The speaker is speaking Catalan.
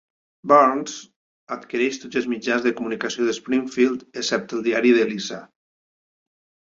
Burns adquireix tots els mitjans de comunicació de Springfield, excepte el diari de Lisa.